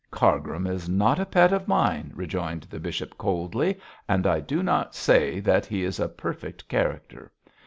'Cargrim is not a pet of mine,' rejoined the bishop, coldly, 'and I do not say that he is a perfect character.